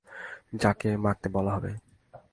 যাকে মারতে বলা হবে।